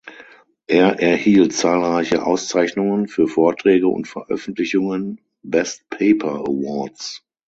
Er erhielt zahlreiche Auszeichnungen für Vorträge und Veröffentlichungen (Best Paper Awards).